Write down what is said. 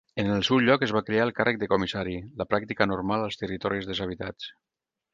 En el seu lloc es va crear el càrrec de comissari, la pràctica normal als territoris deshabitats.